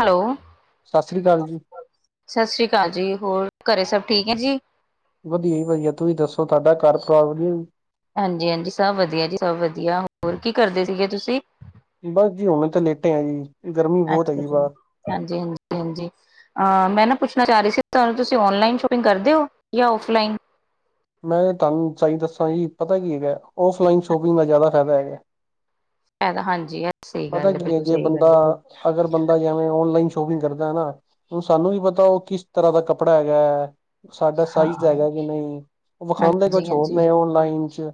Hello ਸਤਿ ਸ੍ਰੀ ਅਕਾਲ ਜੀ ਸਤਿ ਸ੍ਰੀ ਅਕਾਲ ਜੀ ਹੋਰ ਘਰੇ ਸਭ ਠੀਕ ਹੈ ਜੀ ਵਧੀਆ ਜੀ ਵਧਆ ਤੁਸੀਂ ਦੱਸੋ ਤੁਹਾਡਾ ਘਰ ਪਰਿਵਾਰ ਵਧੀਆ ਜੀ ਹਾਂਜੀ ਹਾਂਜੀ ਸਭ ਵਧੀਆ ਜੀ ਸਭ ਵਧੀਆ ਹੋਰ ਕੀ ਕਰਦੇ ਸੀਗੇ ਤੁਸੀਂ ਬਸ ਜੀ ਹੁਣੇ ਤਾਂ ਲੇਟੇ ਆ ਜੀ ਗਰਮੀ ਬਹੁਤ ਹੈਗੀ ਬਾਹਰ ਹਾਂਜੀ ਹਾਂਜੀ ਹਾਂਜੀ ਅ ਮੈਂ ਨਾ ਪੁੱਛਣਾ ਚਾਹ ਰਹੀ ਸੀ ਤੁਹਾਨੂੰ ਤੁਸੀਂ ਔਨਲਾਈਨ ਸ਼ੋਪਿੰਗ ਕਰਦੇ ਹੋ ਜਾਂ ਔਫਲਾਈਨ ਮੈਂ ਤੁਹਾਨੂੰ ਸਹੀ ਦੱਸਾਂ ਜੀ ਪਤਾ ਕੀ ਹੈਗਾ ਔਫਲਾਈਨ ਸ਼ੋਪਿੰਗ ਦਾ ਜ਼ਿਆਦਾ ਫਾਇਦਾ ਹੈਗਾ ਹਾਂਜੀ, ਇਹ ਸਹੀ ਪਤਾ ਗੱਲ ਕੀ ਹੈ ਬਿਲਕੁਲ ਜੇ ਸਹੀ ਬੰਦਾ ਗੱਲ ਹੈ, ਅਗਰ ਬੰਦਾ ਵੇਂ ਔਨਲਾਈਨ ਸ਼ੋਪਿੰਗ ਕਰਦਾ ਹੈ ਨਾ ਹੁਣ ਸਾਨੂੰ ਵੀ ਪਤਾ ਉਹ ਕਿਸ ਤਰ੍ਹਾਂ ਦਾ ਕੱਪੜਾ ਹੈਗਾ ਹੈ ਸਾਡਾ ਸਾਈਜ਼ ਹਾਂ, ਹੈਗਾ ਕਿ ਨਹੀਂ ਉਹ ਵਿਖਾਉਂਦੇ ਕੁਛ ਹੋਰ ਹਾਂਜੀ-ਹਾਂਜੀ। ਨੇ ਓਨਲਾਈਨ ਚ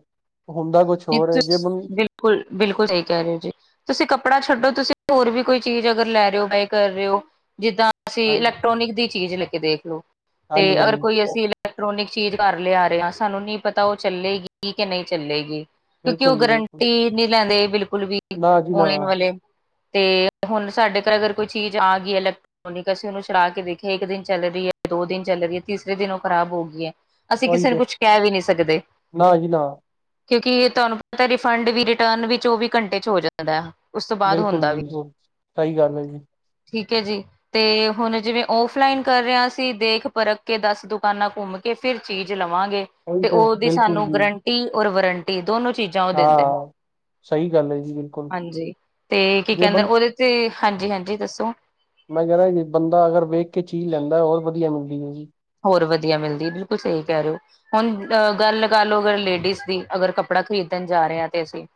ਹੁੰਦਾ ਕੁਛ ਇਹ ਹੋਰ ਹੈ ਜੇ ਬੰ ਬਿਲਕੁਲ ਬਿਲਕੁਲ ਸਹੀ ਕਹਿ ਰਹੇ ਜੀ ਤੁਸੀਂ ਕੱਪੜਾ ਛੱਡੋ ਤੁਸੀਂ ਹੋਰ ਵੀ ਕੋਈ ਚੀਜ਼ ਅਗਰ ਲੈ ਰਹੇ ਹੋ ਬਾਏ ਕਰ ਰਹੇ ਹੋ ਜਿੱਦਾਂ। ਅਸੀਂ ਹਾਂਜੀ ਇਲੈਕਟ੍ਰੋਨਿਕ ਦੀ ਚੀਜ਼ ਲੈ ਕੇ ਦੇਖਲੋ ਤੇ ਹਾਂਜੀ ਅਗਰ ਹਾਂਜੀ ਕੋਈ ਅਸੀਂ। ਇਲੈਕਟ੍ਰੋਨਿਕ ਚੀਜ਼ ਘਰ ਲਿਆ ਰਹੇ ਆ ਸਾਨੂੰ ਨਹੀਂ ਪਤਾ ਉਹ ਚੱਲੇਗੀ ਕਿ ਨਹੀਂ ਚੱਲੇਗੀ। ਕਿਉਂਕਿ ਬਿਲਕੁਲ ਉਹ ਜੀ ਬਿਲਕੁਲ ਗਰੰਟੀ ਨਹੀਂ ਲੈਂਦੇ ਬਿਲਕੁਲ ਵੀ ਨਾ ਜੀ ਨਾ ਓਨਲਾਈਨ ਵਾਲੇ ਤੇ। ਹੁਣ ਸਾਡੇ ਘਰ ਅਗਰ ਕੋਈ ਚੀਜ਼ ਆ ਗਈ ਐ ਇਲੈਕ। ਨੀ ਅਸੀਂ ਉਹਨੂੰ ਛੜਾ ਕੇ ਦੇਖਿਆ ਇੱਕ ਦਿਨ ਚੱਲ ਰਹੀ ਹੈ ਦੋ ਦਿਨ ਚੱਲ ਰਹੀ ਹੈ ਤੀਸਰੇ ਦਿਨ ਉਹ ਖਰਾਬ ਹੋ ਗਈ ਹੈ। ਅਸੀਂ ਉਹੀ ਕਿਸੇ ਨੂੰ ਤੇ ਕੁਛ ਕਹਿ ਵੀ ਨਹੀਂ ਸਕਦੇ। ਨਾ ਜੀ ਨਾ ਕਿਉਂਕਿ ਤੁਹਾਨੂੰ ਪਤਾ ਰਿਫੰਡ ਵੀ ਰਿਟਰਨ ਵੀ ਚੌਵੀ ਘੰਟੇ ਚ ਹੋ ਜਾ। ਉਸ ਤੋਂ ਬਾਅਦ ਬਿਲਕੁਲ ਹੁੰਦਾ ਵੀ ਬਿਲਕੁਲ ਸਹੀ ਗੱਲ ਹੈ ਜੀ ਠੀਕ ਹੈ ਜੀ। ਤੇ ਹੁਣ ਜਿਵੇਂ ਔਫਲਾਈਨ ਕਰ ਰਹੇ ਆ ਅਸੀਂ ਦੇਖ ਪਰਖ ਕੇ ਦਸ ਦੁਕਾਨਾਂ ਘੁੰਮ। ਕੇ ਫਿਰ ਚੀਜ਼ ਲਵਾਂਗੇ ਉਹੀ ਤੇ ਉਹਦੀ ਬਿਲਕੁਲ ਸਾਨੂੰ ਜੀ ਗਰੰਟੀ ਔਰ ਵਾਰੰਟੀ ਦੋਨੋ ਚੀਜ਼ਾਂ। ਜਾਂ ਉਹ ਦਿੰਦੇ ਹਾਂ ਸਹੀ ਗੱਲ ਹੈ ਜੀ ਬਿਲਕੁਲ ਹਾਂਜੀ ਤੇ ਕੀ ਜੇ ਕਹਿੰਦੇ ਬੰ ਉਹਦੇ। ਤੇ ਹਾਂਜੀਹਾਂਜੀ ਦੱਸੋ ਮੈਂ ਕਹਿਦਾ ਜੀ ਬੰਦਾ ਅਗਰ ਵੇਖ ਕੇ ਚੀਜ਼ ਲੈਂਦਾ ਹੋਰ ਵਧੀਆ ਮਿਲਦੀ ਹੈ। ਹੋਰ ਵਧੀਆ ਮਿਲਦੀ ਬਿਲਕੁਲ ਸਹੀ ਕਹਿ ਰਹੇ ਹੋ। ਹੁਣ ਅਹ ਗੱਲ ਕਰ ਲਓ ਅਗਰ ਲੇਡੀਜ਼ ਦੀ ਅਗਰ ਕੱਪੜਾ ਖ਼ਰੀਦਣ ਜਾ ਰਹੇ ਹਾ ਤੇ ਅਸੀਂ।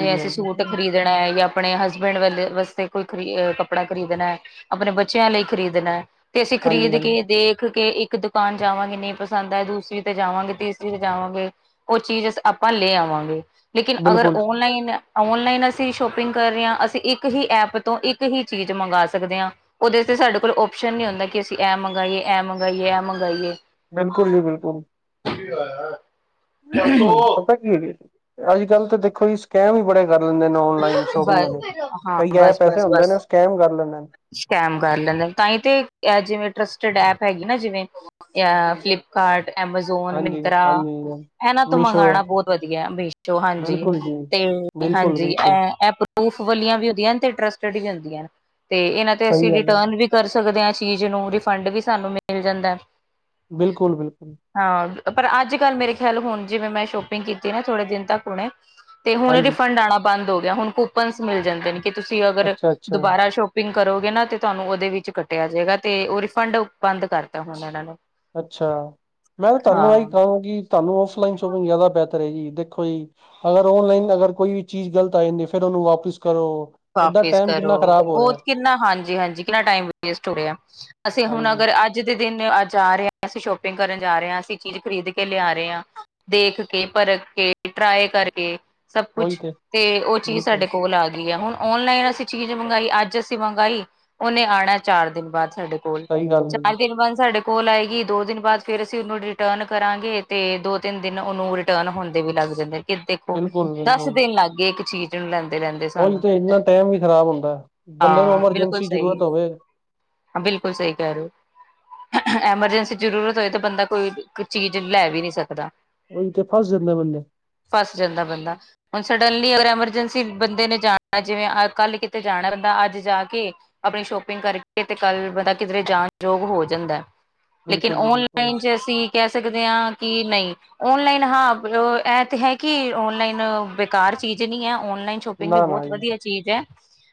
ਜ ਅਸੀਂ ਹਾਂਜੀ ਸੂਟ ਖਰੀਦਣਾ ਹੈ ਜਾਂ ਆਪਣੇ ਹਸਬੈਂਡ ਵ ਵਾਸਤੇ ਕੋਈ ਖਰੀ ਕੱਪੜਾ ਖਰੀਦਣਾ ਹੈ। ਆਪਣੇ ਬੱਚਿਆਂ ਲਈ ਖ਼ਰੀਦਣਾ ਤੇ ਅਸੀਂ ਹਾਂਜੀ ਖਰੀਦ ਹਾਂਜੀ ਕੇ ਦੇਖ ਕੇ ਇੱਕ। ਇੱਕ ਦੁਕਾਨ ਜਾਵਾਂਗੇ ਨਹੀਂ ਪਸੰਦ ਆ ਦੂਸਰੀ ਤੇ ਜਾਵਾਂਗੇ ਤੀਸਰੀ ਤੇ ਜਾਵਾਂਗੇ। ਉਹ ਚੀਜ਼ ਆਪਾਂ ਲੈ ਆਵਾਂਗੇ ਲੇਕਿਨ ਅਗਰ ਬਿਲਕੁਲ ਓਨਲਾਈਨ ਔਨਲਾਈਨ ਅਸੀਂ ਸ਼ੋਪਿੰਗ ਕਰ ਰਹੇ ਹਾਂ ਅਸੀਂ ਇੱਕ ਹੀ ਐਪ ਤੋਂ ਇੱਕ ਹੀ ਚੀਜ਼ ਮੰਗਵਾ ਸਕਦੇ ਹਾਂ ਉਹਦੇ ਤੇ ਸਾਡੇ ਕੋਲ ਓਪਸ਼ਨ ਨ ਨਹੀਂ ਹੁੰਦਾ ਕਿ ਅਸੀਂ ਐਂ ਮੰਗਵਾਏ ਐ ਮੰਗਵਾਏ ਇਹ ਮੰਗਈਏ ਬਿਲਕੁਲ ਜੀ ਬਿਲਕੁਲ ਉਹ ਪਤਾ ਅੱਜ ਕੱਲ੍ਹ ਤਾਂ ਦੇਖੋ ਜੀ ਸਕੈਮ ਹੀ ਬੜੇ ਕਰ ਲੈਂਦੇ ਨੇ ਔਨਲਾਈਨ ਸ਼ੋਪਿੰਗ ਵਾਲੇ ਬਸ ਹਾਂ ਕਈ ਐ ਪੈਸੇ ਹੁੰਦੇ ਨੇ ਸਕੈਮ ਕਰ ਲੈਂਦੇ ਨੇ। ਸ਼ਕੈਮ ਕਰ ਲੈਂਦੇ ਤਾਂ ਹੀ ਤੇ ਜਿਵੇਂ ਟ੍ਰਸਟੀਡ ਐਪ ਹੈਗੀ ਨਾ ਜਿਵੇਂ। ਅ ਫਲਿਪਕਾਰਟ ਐਮਾਜ਼ੋਨ ਹਾਂਜੀ ਮਿੱਤਰਾ। ਹਾਂਜੀ ਇਹਨਾਂ ਤੋਂ ਮੀਸ਼ੋ ਮੰਗਵਾਉਣਾ ਬਹੁਤ ਵਧੀਆ। ਮੇਸ਼ੋ ਹਾਂਜੀ। ਬਿਲਕੁਲ ਜੀ ਤੇ ਬਿਲਕੁਲ ਹਾਂਜੀ। ਬਿਲਕੁਲ ਐ ਇਹ ਪਰੂਫ਼ ਵਾਲੀਆਂ ਵੀ ਹੁੰਦੀਆਂ ਤੇ ਇੰਟਰਸਟਿਡ ਵੀ ਹੁੰਦੀਆਂ ਤੇ ਇਹਨਾਂ ਤੇ ਅਸੀਂ ਸਹੀ ਗੱਲ ਹੈ ਰਿਟਰਨ ਵੀ। ਕਰ ਸਕਦੇ ਹਾਂ ਚੀਜ਼ ਨੂੰ ਰਿਫੰਡ ਵੀ ਸਾਨੂੰ ਮਿਲ ਜਾਂਦਾ। ਬਿਲਕੁਲ-ਬਿਲਕੁਲ। ਹਾਂ ਪਰ ਅੱਜ ਕੱਲ੍ਹ ਮੇਰੇ ਖਿਆਲ ਹੁਣ ਜਿਵੇਂ ਮੈਂ ਸ਼ੋਪਿੰਗ ਕੀਤੀ ਨਾ ਥੋੜੇ ਦਿਨ ਤੱਕ ਹੁਣੇ। ਤੇ ਹੁਣ ਹਾਂਜੀ ਰਿਫੰਡ ਆਉਣਾ ਬੰਦ ਹੋ ਗਿਆ ਹੁਣ ਕੂਪਨਸ ਮਿਲ ਜਾਂਦੇ ਨੇ ਕਿ ਤੁਸੀਂ ਅਗਰ ਅੱਛਾ ਅੱਛਾ ਦੁਬਾਰਾ ਸ਼ੋ। ਸੋਪਿੰਗ ਕਰੋਗੇ ਨਾ ਤੇ ਤੁਹਾਨੂੰ ਉਹਦੇ ਵਿੱਚ ਕੱਟਿਆ ਜਾਏਗਾ ਤੇ ਉਹ ਰਿਫੰਡ ਬੰਦ ਕਰਤਾ ਹੁਣ ਇਹਨਾਂ ਨੇ। ਅੱਛਾ ਮੈਂ ਤੁਹਾਨੂੰ ਆਹੀ ਹਾਂ ਕਹਾਂਗੀ ਤੁਹਾਨੂੰ ਔਫਲਾਈਨ ਸ਼ੋਪਿੰਗ ਜ਼ਿਆਦਾ ਬ। ਜੀ ਦੇਖੋ ਜੀ ਅਗਰ ਔਨਲਾਈਨ ਅਗਰ ਕੋਈ ਵੀ ਚੀਜ਼ ਗਲਤ ਆ ਜਾਂਦੀ ਫਿਰ ਉਹਨੂੰ ਵਾਪਿਸ ਕਰੋ। ਏਦਾਂ ਵਾਪਿਸ ਟਾਈਮ ਕਰੋ ਕਿੰਨਾ ਖ਼ਰਾਬ ਹੋ ਬਹੁਤ ਰਿਹਾ ਕਿੰਨਾ ਹਾਂਜੀ-ਹਾਂਜੀ ਕਿੰਨਾ ਟਾਈਮ ਵੇਸਟ ਹੋ ਰਿਹਾ। ਅਸੀਂ ਹੁਣ ਹਾਂਜੀ ਅਗਰ ਅੱਜ। ਅੱਜ ਦੇ ਦਿਨ ਅੱਜ ਆ ਰਹੇ ਅਸੀਂ ਸ਼ੋਪਿੰਗ ਕਰਨ ਜਾ ਰਹੇ ਆ ਅਸੀਂ ਚੀਜ਼ ਖਰੀਦ ਕੇ ਲਿਆ ਰਹੇ ਆ। ਦੇਖ ਕੇ ਪਰਖ ਕੇ। ਟਰਾਏ ਕਰਕੇ ਸਭ ਕੁਛ ਤੇ ਉਹ ਚੀਜ਼ ਬਿਲਕੁਲ ਸਾਡੇ ਕੋਲ ਆ ਗਈ ਆ ਹੁਣ। ਔਨਲਾਈਨ ਅਸੀਂ ਚੀਜ਼ ਮੰਗਾਈ ਅੱਜ ਅਸੀਂ ਮੰਗਾਈ ਉਹਨੇ ਆਣਾ ਚਾਰ ਦਿਨ ਬਾਅਦ ਸਾਡੇ ਕੋਲ। ਕੋਲ ਸਹੀ ਗੱਲ ਹੈ ਚਾਰ ਜੀ ਦਿਨ ਬਾਅਦ ਸਾਡੇ। ਕੋਲ ਆਏਗੀ ਦੋ ਦਿਨ ਬਾਅਦ ਫੇਰ ਅਸੀਂ ਉਹਨੂੰ ਰਿਟਰਨ ਕਰਾਂਗੇ ਤੇ ਦੋ ਤਿੰਨ ਦਿਨ ਉਹਨੂੰ ਰਿਟਰਨ ਹੋਣਦੇ ਵੀ ਲੱਗ ਜਾਂਦੇ। ਕਿ ਦੇਖੋ ਬਿਲਕੁਲ ਦਸ ਬਿਲਕੁਲ ਦਿਨ ਲੱਗ ਗਏ ਇੱਕ ਚੀਜ਼ ਨੂੰ ਲੈਂਦੇ ਲੈਂਦੇ। ਉਹੀ ਸਾਨੂੰ ਤੇ ਇੰਨਾ ਟਾਈਮ ਵੀ ਖਰਾਬ ਹੁੰਦਾ ਬੰਦੇ ਨੂੰ ਹਾਂ ਬਿਲਕੁਲ ਐਮਰਜੈਂਸੀ ਸਹੀ ਹੈ ਜ਼ਰੂਰਤ ਹੋਵੇ। ਹਾਂ, ਬਿਲਕੁਲ ਸਹੀ ਕਹਿ ਰਹੇ ਹੋ। ਐਮਰਜੈਂਸੀ ਜ਼ਰੂਰਤ ਹੋਏ ਤਾਂ ਬੰਦਾ ਕੋਈ ਚੀਜ਼ ਲੈ ਵੀ ਨਹੀਂ ਸਕਦਾ। ਉਹੀ ਤੇ ਫਸ ਜਾਂਦਾ ਏ ਬੰਦਾ। ਫਸ ਜਾਂਦਾ ਬੰਦਾ ਹੁਣ ਸਡਨਲੀ ਅਗਰ ਐਮਰਜੈਂਸੀ ਬੰਦੇ ਨੇ ਜਾਣਾ। ਜਿਵੇਂ ਅਹ ਕੱਲ੍ਹ ਕਿਤੇ ਜਾਣਾ, ਬੰਦਾ ਅੱਜ ਜਾ ਕੇ। ਆਪਣੀ ਸ਼ੋਪਿੰਗ ਕਰਕੇ, ਤੇ ਕੱਲ ਬੰਦਾ ਕਿਧਰੇ ਜਾਣ ਯੋਗ ਹੋ ਜਾਂਦਾ। ਲੇਕਿਨ ਬਿਲਕੁਲ ਜੀ ਬਿਲਕੁਲ ਓਨਲਾਈਨ ਚ ਅਸੀਂ ਕਹਿ ਸਕਦੇ ਹਾਂ ਕਿ, ਨਹੀਂ। ਓਨਲਾਈਨ ਹਾਂ, ਇਹ ਤੇ ਹੈ ਕਿ ਔਨਲਾਈਨ ਬੇਕਾਰ ਚੀਜ਼ ਨਹੀ ਹੈ, ਓਨਲਾਈਨ। ਸ਼ੋਪਿੰਗ ਵੀ ਨਾ ਨਾ ਬਹੁਤ ਜੀ ਵਧੀਆ ਚੀਜ਼ ਐ।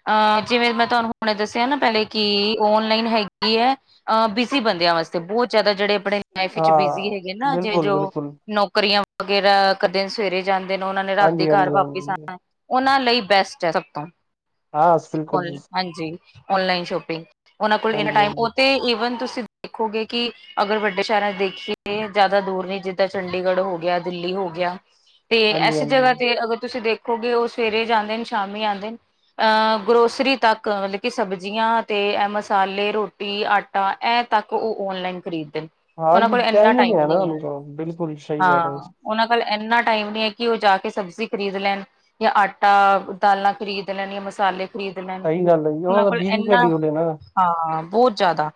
ਅ ਜਿਵੇਂ ਮੈਂ ਤੁਹਾਨੂੰ ਹੁਣ ਦੱਸਿਆ ਨਾ ਪਹਿਲੇ, ਕਿ ਓਨਲਾਈਨ ਹੈਗੀ ਹੈ। ਅ ਬਿਜ਼ੀ ਬੰਦਿਆਂ ਵਾਸਤੇ ਬਹੁਤ ਜ਼ਿਆਦਾ, ਜਿਹੜੇ ਆਪਣੇ ਲਾਈਫ ਵਿੱਚ ਹਾਂ ਬਿਜ਼ੀ ਹੈਗੇ ਨਾ, ਜੇ ਬਿਲਕੁਲ ਜੋ। ਬਿਲਕੁਲ ਨੌਕਰੀਆਂ ਵਗੈਰਾ ਕਦੇ ਦਿਨ ਸਵੇਰੇ ਜਾਂਦੇ ਨੇ, ਉਹਨਾਂ ਨੇ ਰਾਤੀ ਹਾਂਜੀ ਘਰ ਹਾਂਜੀ ਵਾਪਿਸ ਹਾਂਜੀ ਆਣਾ। ਉਹਨਾਂ ਲਈ ਬੈਸਟ ਹੈ ਸਭ ਤੋਂ, ਹਾਂ ਬਿਲਕੁਲ ਜੀ ਹਾਂਜੀ ਓਨਲਾਈਨ ਸ਼ੋਪਿੰਗ। ਉਹਨਾਂ ਕੋਲ ਇਹਨਾਂ ਹਾਂਜੀ ਟਾਈਮ, ਉਹ ਹਾਂਜੀ ਤੇ ਈਵਨ ਤੁਸੀਂ ਦੇਖੋਗੇ ਕਿ ਅਗਰ ਵੱਡੇ ਸ਼ਹਿਰਾਂ ਚ ਦੇਖੀਏ, ਜ਼ਿਆਦਾ ਦੂਰ ਨਹੀਂ, ਜਿੱਦਾਂ ਚੰਡੀਗੜ੍ਹ ਹੋ ਗਿਆ, ਦਿੱਲੀ ਹੋ ਗਿਆ। ਤੇ ਹਾਂਜੀ ਇਸ ਹਾਂਜੀ ਜਗ੍ਹਾ ਤੇ ਅਗਰ ਤੁਸੀਂ ਦੇਖੋਗੇ, ਉਹ ਸਵੇਰੇ ਜਾਂਦੇ ਨੇ, ਸ਼ਾਮੀ ਆਂਦੇ ਨੇ। ਅਹ, ਗਰੋਸਰੀ ਤੱਕ, ਮਤਲਬ ਕਿ ਸਬਜ਼ੀਆਂ ਤੇ ਇਹ ਮਸਾਲੇ ਰੋ ਆਟਾ ਐ ਤੱਕ, ਉਹ ਓਨਲਾਈਨ ਖਰੀਦ ਦੇ ਨੇ ਉਹਨਾਂ ਹਾਂਜੀ ਕੋਲ ਇਨਾ ਟਾਈਮਿੰਗ ਟਾਈਮ ਹੈ ਨਾ ਨਹੀਂ ਐ, ਉਨਕਾ ਬਿਲਕੁਲ ਸਹੀ ਕਹਿ ਰਹੇ ਹੋ। ਹਾਂ। ਉਹਨਾਂ ਕੋਲ ਇੰਨਾ ਟਾਈਮ ਨੀ ਐ ਕਿ ਉਹ ਜਾ ਕੇ ਸਬਜ਼ੀ ਖ਼ਰੀਦ ਲੈਣ, ਯਾ ਆਟਾ। ਦਾਲਾਂ ਖਰੀਦ ਲੈਣੀ ਮਸਾਲੇ ਖਰੀਦ ਲੈਣੀ, ਸਹੀ ਗੱਲ ਹੈ ਜੀ ਉਹਨਾਂ ਦਾ ਕੋਲ ਬਿਜੀ ਇਨਾ ਸ਼ਡਿਊਲ ਹੈ ਨਾ ਹਾਂ, ਬਹੁਤ ਜ਼ਿਆਦਾ।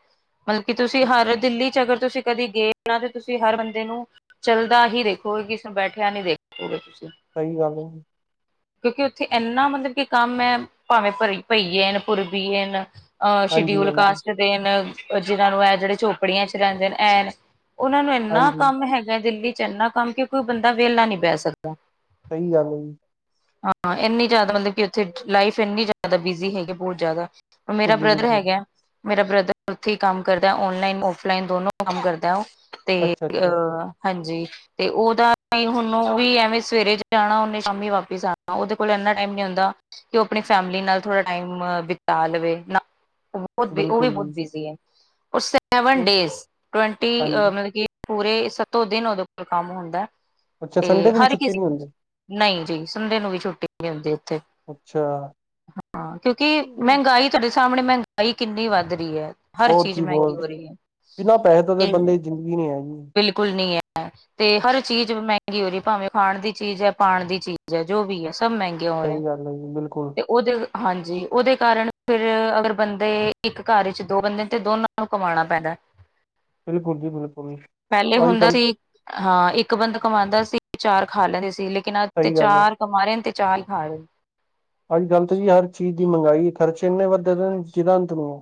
ਮਤਲਬ ਕਿ ਤੁਸੀਂ ਹਰ ਦਿੱਲੀ ਚ ਅਗਰ ਤੁਸੀਂ ਕਦੇ ਗਏ ਨਾ ਤੇ ਤੁਸੀਂ ਹਰ ਬੰਦੇ ਨੂੰ। ਚੱਲਦਾ ਹੀ ਦੇਖੋਗੇ ਕਿਸ ਨੂੰ ਬੈਠਿਆ ਨਹੀਂ ਦੇਖੋਗੇ ਤੁਸੀਂ। ਸਹੀ ਗੱਲ ਐ। ਕਿਉਂਕਿ ਉੱਥੇ। ਇੰਨਾ ਮਤਲਬ ਕਿ ਕੰਮ ਐ ਭਾਵੇਂ ਭਰੀ ਭਈਏਨ ਪੁਰਬੀਏਨ। ਅ ਹਾਂਜੀ ਸ਼ਡਿਊਲ ਹਾਂਜੀ। ਕਾਸਟ ਦੇ ਨੇ, ਜਿਹਨਾਂ ਨੂੰ ਇਹ ਜਿਹੜੇ ਝੋਪੜੀਆਂ ਚ ਰਹਿੰਦੇ ਨੇ ਐਨ ਉਹਨਾਂ ਨੂੰ ਇੰਨਾ ਹਾਂਜੀ ਕੰਮ ਹੈਗਾ, ਦਿੱਲੀ ਚ ਇੰਨਾ ਕੰਮ ਕਿ ਕੋਈ ਬੰਦਾ ਵਿਹਲਾ ਨਹੀਂ ਬਹਿ ਸਕਦਾ। ਸਹੀ ਗੱਲ ਏ, ਜੀ। ਹਾਂ, ਇੰਨੀ ਜ਼ਿਆਦਾ ਮਤਲਬ ਕਿ ਉੱਥੇ ਲਾਈਫ ਇੰਨੀ ਜ਼ਿਆਦਾ ਬਿਜੀ ਹੈਗੀ, ਬਹੁਤ ਜ਼ਿਆਦਾ। ਮੇਰਾ ਬਿਲਕੁਲ ਬ੍ਰਦਰ ਬਿਲਕੁਲ ਹੈਗਾ। ਮੇਰਾ ਬ੍ਰਦਰ ਉੱਥੇ ਹੀ ਕੰਮ ਕਰਦਾ, ਓਨਲਾਈਨ ਔਫਲਾਈਨ ਦੋਨੋ ਕੰਮ ਕਰਦਾ ਉਹ। ਤੇ ਅੱਛਾ ਅੱਛਾ ਅ। ਹਾਂਜੀ, ਤੇ ਉਹਦਾ ਹੁਣ ਵੀ ਐਵੇਂ ਸਵੇਰੇ ਜਾਣਾ, ਉਹਨੇ ਸ਼ਾਮੀ ਵਾਪਿਸ ਆਣਾ ਉਹਤੇ। ਕੋਲ ਇਨਾ ਟਾਈਮ ਨੀ ਹੁੰਂਦਾ ਕਿ ਉਹ ਆਪਣੀ ਫੈਮਲੀ ਨਾਲ ਥੋੜਾ ਟਾਈਮ ਬਿਤਾ ਲਵੇ ਨਾ। ਉਹ ਵੀ ਉਹ ਵੀ ਬਿਲਕੁਲ ਬਹੁਤ ਜੀ। ਬਿਜ਼ੀ ਹੈ, ਓ ਸੈਵਨ ਡੇਜ ਟਵਟੀ, ਹਾਂਜੀ ਮਤਲਬ ਕਿ। ਪੂਰੇ ਸਤੋਂ ਦਿਨ ਉਹਦੇ ਉਪਰ ਕੰਮ ਹੁੰਦਾ, ਅੱਛਾ ਤੇ ਸੰਡੇ ਦੀ ਵੀ ਹਰ ਛੁੱਟੀ ਕਿਸੀ। ਨਹੀਂ ਹੁੰਦੀ ਨਹੀਂ ਜੀ, ਸੰਡੇ ਨੂੰ ਵੀ ਛੁੱਟੀ ਨਹੀਂ ਹੁੰਦੀ ਉਥੇ। ਅੱਛਾ। ਹਾਂ, ਕਿਉਂਕਿ ਮਹਿੰਗਾਈ ਤੁਹਾਡੇ ਸਾਹਮਣੇ, ਮਹਿੰਗਾਈ ਕਿੰਨੀ ਵੱਧ ਰਹੀ ਐ। ਹਰ ਬਹੁਤ ਚੀਜ਼ ਹੀ ਮਹਿੰਗੀ ਹੋ ਬਹੁਤ ਰਹੀ ਹੈ, ਬਿਨਾਂ ਪੈਸੇ ਤੋਂ ਤਾਂ ਤੇ ਬੰਦੇ ਦੀ ਜ਼ਿੰਦਗੀ ਨਹੀਂ ਹੈਗੀ। ਬਿਲਕੁਲ ਨਹੀ ਹੈ। ਤੇ ਹਰ ਚੀਜ਼ ਮਹਿੰਗੀ ਹੋ ਰਹੀ, ਭਾਵੇਂ ਖਾਣ ਦੀ ਚੀਜ਼ ਹੈ, ਪਾਣ ਦੀ ਚੀਜ਼ ਹੈ, ਜੋ ਵੀ ਹੈ, ਸਭ ਮਹਿੰਗੀ। ਸਹੀ ਗੱਲ ਹੈ ਜੀ, ਬਿਲਕੁਲ। ਉਹਦੇ, ਹਾਂਜੀ, ਉਹਦੇ ਕਾਰਨ ਫਿਰ ਅਗਰ ਬੰਦੇ ਇੱਕ ਘਰ ਵਿੱਚ ਦੋ ਬੰਦੇ ਨੇ, ਤੇ ਦੋਨਾਂ ਨੂੰ ਕਮਾਉਣਾ ਪੈਂਦਾ। ਬਿਲਕੁਲ ਜੀ ਬਿਲਕੁਲ ਪਹਿਲੇ ਅੱਜ ਹੁੰਦਾ ਕੱਲ ਸੀ। ਹਾਂ, ਇੱਕ ਬੰਦਾ ਕਮਾਉਂਦਾ ਸੀ, ਚਾਰ ਖਾ ਲੈਂਦੇ ਸੀ, ਲੇਕਿਨ ਅੱਜ ਤੇ ਸਹੀ ਗੱਲ ਹੈ। ਚਾਰ ਕਮਾ ਰਹੇ ਨੇ, ਤੇ ਚਾਰ ਹੀ ਖਾ ਰਹੇ ਨੇ। ਅੱਜ-ਕਲ ਤਾਂ ਜੀ, ਹਰ ਚੀਜ਼ ਦੀ ਮੰਹਗਾਈ, ਖਰਚੇ ਇਨੇ ਵੱਧਦੇ ਨੇ, ਜਿੱਦਾਂ ਅੰਤ ਨੀ।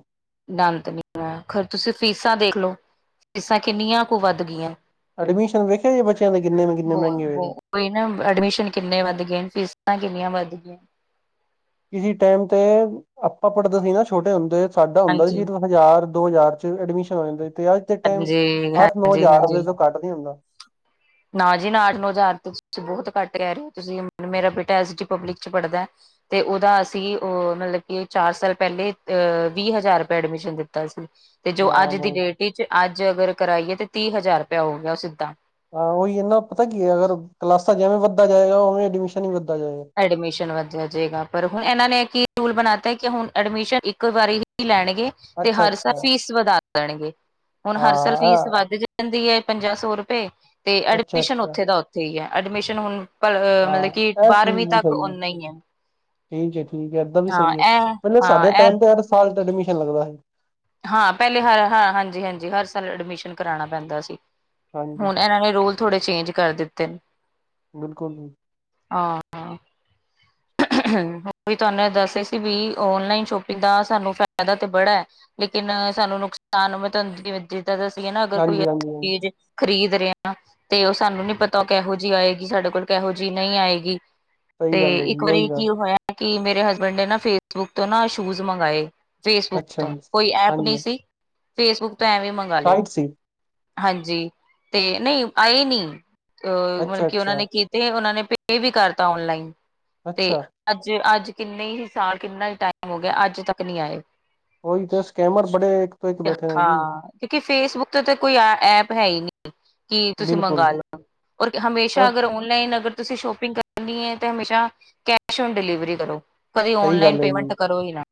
ਦਾ ਅੰਤ ਨੀ, ਖਰ। ਤੁਸੀਂ ਫੀਸਾਂ ਦੇਖ ਲਓ, ਫੀਸਾਂ ਕਿੰਨੀਆਂ ਕੁ ਵੱਧ ਗਈਆਂ। ਐਡਮਿਸ਼ਨ ਵੇਖੇ ਜੇ, ਬਚਿਆ ਦੇ ਕਿਨੇ ਕਿੰਨੇ ਮਹਿੰਗੇ ਹੋਏਦੇ। ਓਹੀ ਨਾ, ਐਡਮਿਸ਼ਨ ਕਿੰਨੇ ਵੱਧ ਗਏ ਨੇ, ਫੀਸਾਂ ਕਿੰਨੀਆਂ ਵੱਧ ਗਈਆਂ। ਕਿਸੇ ਟਾਈਮ ਤੇ ਆਪਾਂ ਪੜ੍ਹਦੇ ਸੀ ਨਾ, ਛੋਟੇ ਹੁੰਦੇ। ਸਾਡਾ ਹੁੰਦਾ ਹਾਂਜੀ ਸੀ, ਹਜ਼ਾਰ, ਦੋ ਹਜ਼ਾਰ ਚ ਐਡਮਿਸ਼ਨ ਹੋ ਜਾਂਦੀ। ਤੇ ਅੱਜ ਦੇ ਟਾਈਮ ਚ ਹਾਂਜੀ ਅੱਠ-ਨੌ ਹਾਂਜੀ ਹਜ਼ਾਰ ਹਾਂਜੀ ਤੋ ਕੱਟ ਨੀ ਹੁੰਦਾ। ਨਾ ਜੀ, ਨਾ ਅਠ-ਨੌ ਹਜ਼ਾਰ ਤੇ ਤੁਸੀਂ ਬਹੁਤ ਘੱਟ ਕਹਿ ਰਹੇ ਹੋ ਤੁਸੀਂ। ਮੇਰਾ ਬੇਟਾ ਐਸ ਡੀ ਪਬਲਿਕ ਚ ਪੜ੍ਹਦਾ। ਤੇ ਉਹਦਾ ਅਸੀਂ, ਉਹ ਮਤਲਬ ਕਿ ਚਾਰ ਸਾਲ ਪਹਿਲੇ ਅਹ ਵੀਹ-ਹਜ਼ਾਰ ਰੁਪਏ ਐਡਮਿਸ਼ਨ ਦਿੱਤਾ ਸੀ। ਤੇ ਜੋ ਹਾਂ ਅੱਜ ਦੀ ਬ ਡੇਟ ਵਿੱਚ ਅੱਜ ਅਗਰ ਕਰਾਈਏ ਤੇ ਤੀਹ ਹਜ਼ਾਰ ਰੁਪਇਆ ਹੋ ਗਿਆ ਉਹ ਸਿੱਧਾ। ਹਾਂ ਉਹੀ ਇਹਨਾ ਪਤਾ ਕੀ ਹੈ ਅਗਰ ਕਲਾਸਾਂ ਜਿਵੇਂ ਵੱਧਦਾ ਜਾਏਗਾ ਉਵੇਂ ਐਡਮਿਸ਼ਨ ਹੀ ਵੱਧਦਾ ਜਾਏਗਾ। ਐਡਮਿਸ਼ਨ ਵੱਧਿਆ ਜਾਏਗਾ ਪਰ ਹੁਣ ਇਹਨਾਂ ਨੇ ਰੂਲ ਬਣਾ ਤ ਕਿ ਹੁਣ ਐਡਮਿਸ਼ਨ ਇੱਕ ਵਾਰੀ ਹੀ ਲੈਣਗੇ। ਤੇ ਅੱਛਾ ਹਰ ਸਾਲ ਅੱਛਾ ਫੀਸ ਵੱਧਾ ਦੇਣਗੇ ਹੁਣ ਹਰ ਸਾਲ ਫੀਸ ਹਾਂ ਅ- ਵੱਧ ਜਾ ਦੀ ਹੈ ਪੰਜ ਸੌ ਰੁਪਏ ਤੇ ਅੱਛਾ ਐਡਮਿਸ਼ਨ ਅੱਛਾ ਉੱਥੇ ਦਾ ਉੱਥੇ ਹੀ ਹੈ। ਐਡਮਿਸ਼ਨ ਹੁਣ ਪਰ ਮਤਲਬ ਹਾਂ ਕਿ ਇਹ ਬਾਰਵੀਂ ਸਹੀ ਤੱਕ ਹੈ ਓਨਾ ਹੀ ਹੈ ਠੀਕ ਏ ਠੀਕ ਹੈ ਏਦਾਂ ਵੀ ਹਾਂ ਸਹੀ ਹੈ ਇਹ ਪਹਿਲਾਂ ਸਾਡੇ ਹਾਂ ਇਹ ਟਾਈਮ ਤੇ ਯਾਰ ਸਾਲ ਚ ਐਡਮਿਸ਼ਨ ਲੱਗਦਾ। ਹਾਂ ਪਹਿਲੇ ਹਰ ਹਾਂਜੀ ਹਾਂਜੀ ਹਰ ਸਾਲ ਐਡਮਿਸ਼ਨ ਕਰਾਉਣਾ ਪੈਂਦਾ ਸੀ ਹਾਂਜੀ ਹੁਣ ਇਹਨਾਂ ਨੇ ਰੂਲ ਥੋੜੇ ਚੇਂਜ ਕਰ ਦਿੱਤੇ ਨੇ। ਬਿਲਕੁਲ ਜੀ। ਹਾਂ। ਹੋ ਵੀ ਤੁਹਾਨੂੰ ਦੱਸਦੇ ਸੀ ਵੀ ਔਨਲਾਈਨ ਸ਼ੋਪਿੰਗ ਦਾ ਸਾਨੂੰ ਫਾਇਦਾ ਤਾਂ ਬੜਾ ਹੈ। ਲੇਕਿਨ ਸਾਨੂੰ ਨੁਕਸਾਨ ਮੈਂ ਤੁਹਾਨੂੰ ਜਾਂ ਦਸੀਏ ਨਾ ਅਗਰ ਕੋਈ ਹਾਂਜੀ ਹਾਂਜੀ ਹਾਂਜੀ ਚੀਜ਼ ਖਰੀਦ ਰਿਹੇਹਾ ਤੇ ਉਹ ਸਾਨੂੰ ਨੀ ਪਤਾ ਉਹ ਕਿਹੋ ਜਿਹੀ ਆਏਗੀ ਸਾਡੇ ਕੋਲ ਕਿਹੋ ਜਿਹੀ ਨਹੀਂ ਆਏਗੀ। ਸਹੀ ਤੇ ਗੱਲ ਹੈ ਇੱਕ ਜੀ ਉਹੀ ਵਾਰੀ ਕੀ ਗੱਲ ਹੋਇਆ ਕਿ ਮੇਰੇ ਹਸਬੈਂਡ ਨੇ ਨਾ ਫੇਸਬੁੱਕ ਤੋਂ ਨਾ ਸ਼ੂਜ ਮੰਗਵਾਏ। ਫੇਸਬੁੱਕ ਅੱਛਾ ਤੋਂ ਜੀ ਕੋਈ ਐਪ ਨਹੀਂ ਹਾਂਜੀ ਸੀ ਫੇਸਬੁੱਕ ਤੋਂ ਐਵੇਂ ਮੰਗਵਾ ਲਏ। ਸਾਈਟ ਸੀ ਹਾਂਜੀ। ਤੇ ਨਹੀਂ ਆਏ ਨੀ, ਅਹ ਮਤਲਬ ਅੱਛਾ ਕਿ ਉਹਨਾਂ ਅੱਛਾ ਨੇ ਕੀ ਤੇ ਉਹਨਾਂ ਨੇ ਪੇ ਵੀ ਕਰਤਾ ਓਨਲਾਈਨ। ਤੇ ਅੱਛਾ ਅੱਜ, ਅੱਜ ਕਿੰਨੇ ਹੀ ਸਾਲ, ਕਿੰਨਾ ਹੀ ਟਾਈਮ ਹੋ ਗਿਆ। ਅੱਜ ਤੱਕ ਨਹੀਂ ਆਏ। ਉਹੀ ਤੇ ਸਕੈਮਰ ਬੜੇ, ਇੱਕ ਤੋਂ ਇੱਕ ਬੈਠੇ ਨੇ ਜੀ। ਕਿੳਂਕਿ ਫੇਸਬੁੱਕ ਤੇ ਕੋਈ ਐਪ ਹੈ ਹੀ ਨਹੀਂ। ਕਿ ਤੁਸੀਂ ਮੰਗਵਾ ਬਿਲਕੁਲ ਲਓ ਔਰ ਹਮੇਸ਼ਾ ਅਗਰ ਔਨਲਾਈਨ ਅਗਰ ਤੁਸੀਂ ਸ਼ੋਪਿੰਗ ਕਰਨੀ ਹੈ ਤੇ ਹਮੇਸ਼ਾ ਕੈਸ਼ ਓਨ ਡਿਲੀਵਰੀ ਕਰੋ। ਕਦੇ ਸਹੀ ਔਨਲਾਈਨ ਗੱਲ ਹੈ ਪੇਮੈਂਟ ਜੀ ਕਰੋ ਹੀ ਨਾ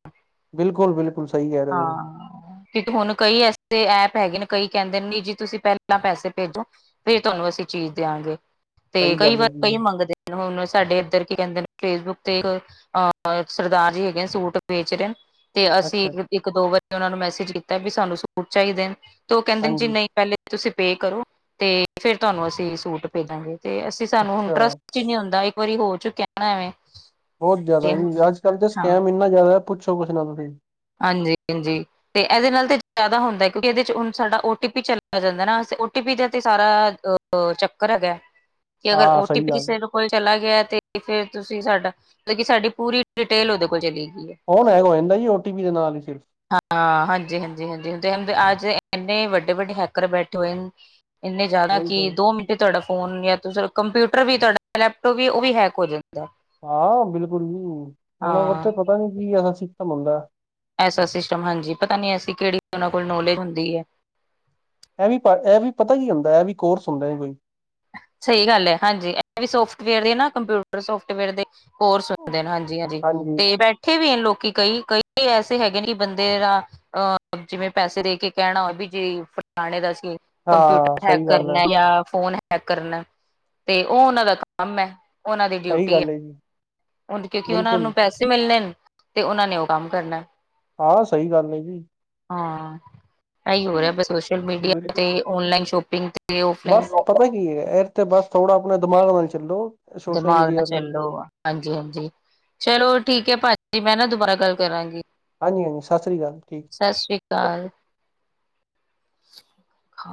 ਬਿਲਕੁਲ ਬਿਲਕੁਲ ਸਹੀ ਕਹਿ ਰਹੇ ਹੋ ਤੁਸੀਂ ਹਾਂ। ਕਿ ਹੁਣ ਕਈ ਐਸੇ ਐਪ ਹੈਗੇ ਨੇ ਕਈ ਕਹਿੰਦੇ ਜੀ ਤੁਸੀਂ ਪਹਿਲਾਂ ਪੈਸੇ ਭੇਜੋ। ਫੇਰ ਤੁਹਾਨੂੰ ਅਸੀਂ ਚੀਜ਼ ਦਿਆਂਗੇ ਤੇ ਸਹੀ ਕਈ ਗੱਲ ਹੈ ਵਾਰ ਕਈ ਜੀ ਮੰਗਦੇ ਨੇ ਹੁਣ ਸਾਡੇ ਇੱਧਰ ਕੀ ਕਹਿੰਦੇ ਨੇ ਫੇਸਬੁੱਕ ਤੇ ਇੱਕ ਆ ਸਰਦਾਰ ਜੀ ਹੈਗੇ ਨੇ ਸੂਟ ਵੇਚ ਰਹੇ ਤੇ ਅਸੀਂ ਅੱਛਾ ਇੱਕ ਦੋ ਵਾਰੀ ਉਹਨਾਂ ਨੂੰ ਮੈਸੇਜ ਕੀਤਾ ਵੀ ਸਾਨੂੰ ਸੂਟ ਚਾਹੀਦੇ ਨੇ ਤੇ ਉਹ ਕਹਿੰਦੇ ਨੇ ਜੀ ਹਾਂਜੀ ਨਹੀਂ ਪਹਿਲੇ ਤੁਸੀਂ ਪੇ ਕਰੋ ਤੇ ਫਿਰ ਤੁਹਾਨੂੰ ਅਸੀਂ ਸੂਟ ਭੇਜ ਦਾਂਗੇ ਤੇ ਅਸੀਂ ਸਾਨੂੰ ਹੁਣ ਅੱਛਾ ਟਰਸਟ ਨੀ ਹੁੰਦਾ ਇੱਕ ਵਾਰੀ ਹੋ ਚੁੱ ਕਹਿੰਦਾ ਵੇਂ। ਬਹੁਤ ਜ਼ਿਆਦਾ ਅੱਜ ਕੱਲ੍ਹ ਤਾਂ ਸਕੈਮ ਇੰਨਾ ਜ਼ਿਆਦਾ ਪੁੱਛੋ ਕੁੇ ਨਾਲ ਤੁਸੀਂ। ਹਾਂਜੀ ਹਾਂਜੀ। ਤੇ ਇਹਦੇ ਨਾਲ ਤੇ ਜਿਆਦਾ ਹੁੰਦਾ ਹੈ ਕਿਉਂਕਿ ਇਹਦੇ ਚ ਹੁਣ ਸਾਡਾ ਓ ਟੀ ਪੀ ਚੱਲਾ ਜਾਂਦਾ ਨਾ ਓਟੀ ਪੀ ਦਾ ਤੇ ਸਾਰ ਚੱਕਰ ਹੈਗਾ ਕਿ ਅਗਰ ਹਾਂ ਓਟੀ ਸਹੀ ਪੀ ਗੱਲ ਕੋਲ ਚਲਾ ਗਿਆ ਤੇ ਫਿਰ ਤੁਸੀਂ ਸਾਡਾ ਮਤਲਬ ਕਿ ਸਾਡੀ ਪੂਰੀ ਡਿਟੇਲ ਉਹਦੇ ਕੋਲ ਚਲੀ ਗਈ ਹੈ। ਫੋਨ ਹੈਂਗ ਹੋ ਜਾਂਦਾ ਜੀ ਓਟੀ ਪੀ ਦੇ ਨਾਲ ਹੀ ਸਿਰਫ ਹਾਂ ਹਾਂਜੀ ਹਾਂਜੀ ਹਾਂਜੀ ਹਅੱਜ ਇੰਨੇ ਵੱਡੇ ਵੱਡੇ ਹੈਕਰ ਬੈਠੇ ਹੋਏ ਨੇ। ਇੰਨੇ ਜ਼ਿਆਦਾ ਉਹੀ ਤਾਂ ਕਿ ਦੋ ਮਿੰਟ ਜੇ ਤੁਹਾਡਾ ਫੋਨ ਜਾਂ ਤਾਂ ਕੰਪਿਊਟਰ ਵੀ ਤੁਹਾਡਾ ਲੈਪਟੋਪ ਵੀ ਉਹ ਵੀ ਹੈਕ ਹੋ ਜਾਂਦਾ। ਹਾਂ ਬਿਲਕੁਲ ਜੀ ਉਹਨਾਂ ਨੂੰ ਤੇ ਹਾਂ ਪਤਾ ਨੀ ਕੀ ਐਸਾ ਸਿਸਟਮ ਮਿਲਦਾ। ਐਸਾ ਸਿਸਟਮ ਹਾਂਜੀ ਪਤਾ ਨੀ ਐਸੀ ਕਿਹੜੀ ਉਹਨਾਂ ਕੋਲ ਨੌਲੇਜ ਹੁੰਦੀ ਹੈ ਇਹ ਵੀ ਇਹ ਵੀ ਪਤਾ ਹੀ ਹੁੰਦਾ ਇਹ ਵੀ ਕੋਰਸ ਹੁੰਦੀ ਕੋਈ। ਸਹੀ ਗੱਲ ਹੈ। ਹਾਂਜੀ। ਇਹ ਵੀ ਸੋਫਟਵੇਅਰ ਦੀ ਨਾ ਕੰਪਿਊਟਰ ਸੋਫਟਵੇਅਰ ਦੇ ਕੋਰਸ ਹਾਂਜੀ -ਹਾਂਜੀ ਤੇ ਬੈਠੇ ਵੀ ਲੋਕੀ ਕਈ, ਕਈ ਐਸੇ ਹੈਗੇ ਨੇ ਬੰਦੇ ਦਾ ਅਹ ਜਿਵੇਂ ਪੈਸੇ ਦੇ ਕੇ ਕਹਿਣਾ ਵੀ ਜੇ ਫਲਾਣੇ ਦਾ ਸੀ। ਹਾਂ ਕੰਪਿਊਟਰ ਹੈਕ ਸਹੀ ਗੱਲ ਹੈ ਕਰਨਾ। ਜਾਂ ਫੋਨ ਹੈਕ ਕਰਨਾ। ਤੇ ਉਹ ਉਹਨਾਂ ਦਾ ਕੰਮ ਹੈ। ਉਹਨਾਂ ਦੀ ਸਹੀ ਡਿਊਟੀ ਹੈ। ਗੱਲ ਜੀ ਕਿਉਂਕਿ ਉਹਨਾਂ ਬਿਲਕੁਲ ਨੂੰ ਪੈਸੇ ਮਿਲਣੇ ਨੇ। ਤੇ ਉਹਨਾਂ ਨੇ ਉਹ ਕੰਮ ਕਰਨਾ। ਹਾਂ। ਸਹੀ ਗੱਲ ਹੈ ਜੀ। ਹਾਂ। ਇਹੀ ਹੋਰਹਾ ਸੋਸ਼ਲ ਮੀਡੀਆ ਤੇ ਓਨਲਾਈਨ ਸ਼ੋਪਿੰਗ ਤੇ ਓਫਲਾਈਨ ਬਸ ਪਤਾ ਕੀ ਹੈ। ਇਕ ਤੇ ਬਸ ਥੋੜ੍ਹਾ ਆਪਣਾ ਦਿਮਾਗ ਨਾਲ ਚੱਲੋ। ਸੋਸ਼ਲ ਦਿਮਾਗ ਨਾਲ ਮੀਡੀਆ ਤੇ ਚੱਲੋ ਵ। ਹਾਂਜੀ- ਹਾਂਜੀ। ਚਲੋ ਠੀਕ ਹੈ ਭਾਜੀ। ਮੈਂ ਨਾ ਦੁਬਾਰਾ ਗੱਲ ਕਰਾਂਗੀ। ਹਾਂਜੀ। ਹਾਂ, ਸਤਿ ਸ਼੍ਰੀ ਅਕਾਲ। ਠੀਕ। ਸਤਿ ਸ਼੍ਰੀ ਅਕਾਲ।